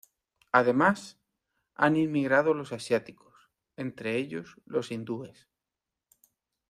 Además, han inmigrado los asiáticos, entre ellos los hindúes.